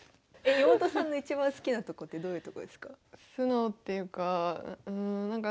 妹さんの一番好きなとこってどういうとこですか？